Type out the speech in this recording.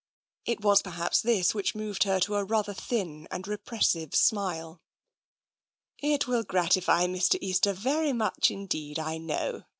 •It was perhaps this which moved her to a rather thin and repressive smile. " It will gratify Mr. Easter very much indeed, I know.